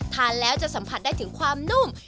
ทานแล้วจะสัมผัสได้ถึงความนุ่ม